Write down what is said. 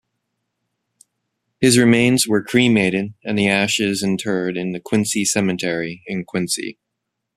His remains were cremated and the ashes interred in Quincy Cemetery in Quincy.